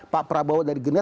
pak prabowo dari genda